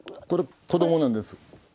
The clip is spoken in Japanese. これ子どもなんです。